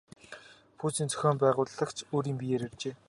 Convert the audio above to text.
Пүүсийн зохион байгуулагч өөрийн биеэр иржээ.